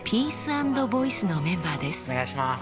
お願いします。